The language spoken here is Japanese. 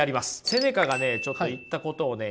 セネカがねちょっと言ったことをね